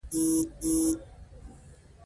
دوی مدني او سیاسي حقوق درلودل.